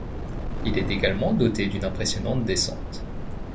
Il est également doté d'une impressionnante descente.